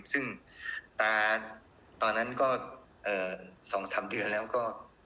ซึ่งตาตอนนั้นก็๒๓เดือนแล้วก็